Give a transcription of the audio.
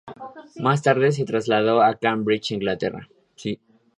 Más tarde se trasladó a Cambridge, Inglaterra.